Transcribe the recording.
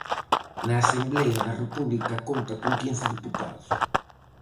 Na Asemblea da República conta con quince deputados.